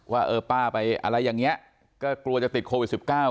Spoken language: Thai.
ว่าเออป้าไปอะไรอย่างเงี้ยก็กลัวจะติดโควิดสิบเก้า